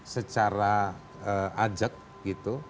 secara ajak gitu